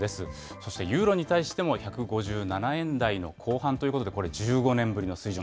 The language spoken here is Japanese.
そしてユーロに対しても、１５７円台の後半ということで、これ、１５年ぶりの水準。